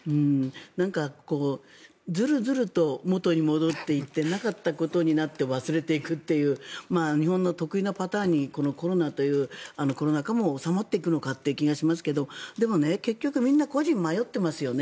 なんかこう、ずるずると元に戻っていってなかったことになって忘れていくという日本の特異なパターンにコロナ禍も収まってくるのかという気がしますがでも、結局みんな個人は迷ってますよね